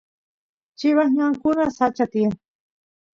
chivas ñankuna sacha tiyan